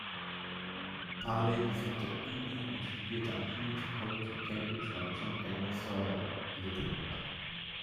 Paley besuchte Eton und studierte am Trinity College in Cambridge bei John Edensor Littlewood.